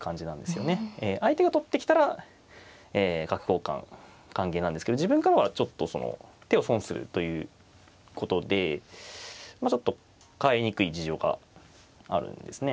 相手が取ってきたら角交換歓迎なんですけど自分からはちょっとその手を損するということでちょっと換えにくい事情があるんですね。